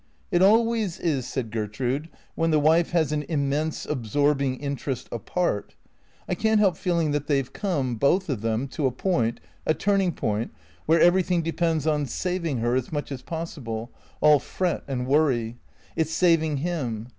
" It always is," said Gertrude, " when the wife has an im mense, absorbing interest apart. I can't help feeling that they've come, both of them, to a point — a turning point, where everything depends on saving her, as much as possible, all fret and worry. It 's saving him.